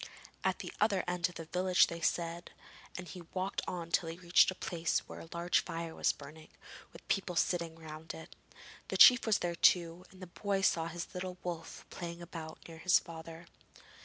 'At the other end of the village,' they said, and he walked on till he reached a place where a large fire was burning, with people sitting round it. The chief was there too, and the boy saw his little wolf playing about near his father.